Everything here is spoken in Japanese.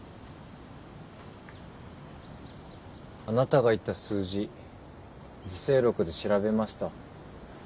あなたが言った数字『自省録』で調べました。